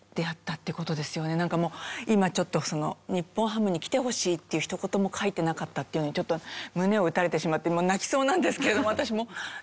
なんかもう今ちょっと日本ハムに来てほしいってひと言も書いてなかったっていうのにちょっと胸を打たれてしまって泣きそうなんですけれども私も。